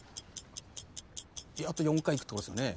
あと４回いくってことですよね。